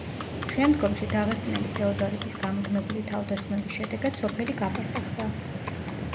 შემდგომში დაღესტნელი ფეოდალების გამუდმებული თავდასხმების შედეგად სოფელი გაპარტახდა.